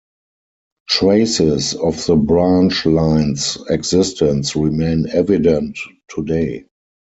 Traces of the branch line's existence remain evident today.